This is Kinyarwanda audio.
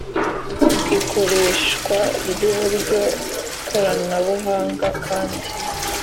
ikoreshwa ry uburyo koranabuhanga kandi